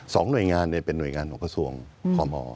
หน่วยงานเนี่ยเป็นหน่วยงานของกระทรวงพม